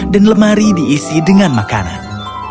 dan lemari diisi dengan makanan